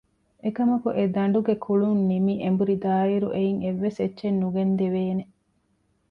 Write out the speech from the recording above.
އެކަމަކު އެ ދަނޑުގެ ކުޅުންނިމި އެނބުރިދާއިރު އެއިން އެއްވެސްއެއްޗެއް ނުގެންދެވޭނެ